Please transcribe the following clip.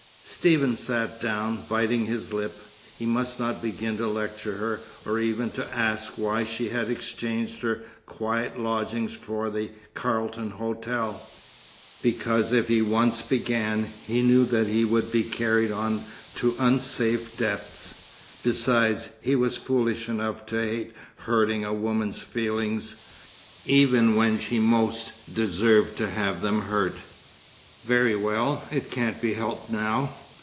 Stephen sat down, biting his lip. He must not begin to lecture her, or even to ask why she had exchanged her quiet lodgings for the Carlton Hotel, because if he once began, he knew that he would be carried on to unsafe depths. Besides, he was foolish enough to hate hurting a woman's feelings, even when she most deserved to have them hurt. "Very well. It can't be helped now.